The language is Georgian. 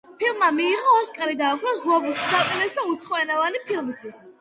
ფილმმა მიიღო ოსკარი და ოქროს გლობუსი საუკეთესო უცხოენოვანი ფილმისთვის.